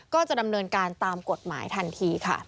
ก็จะดำเนินการตามกฎหมายทันทีค่ะ